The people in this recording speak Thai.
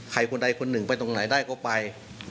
คนใดคนหนึ่งไปตรงไหนได้ก็ไป